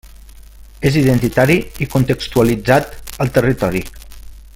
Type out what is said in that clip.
És identitari i contextualitzat al territori.